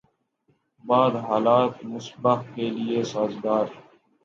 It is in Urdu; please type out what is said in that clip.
بعد حالات مصباح کے لیے سازگار